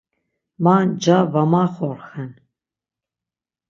Ma nca var maxorxen.